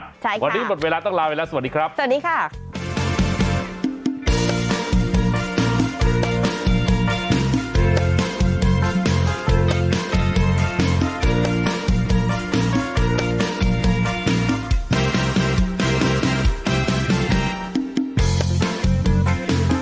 วันนี้หมดเวลาต้องลาไปแล้วสวัสดีครับสวัสดีค่ะ